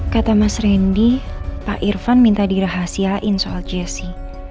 kata mas rendy pak irvan minta dirahasiain soal jessy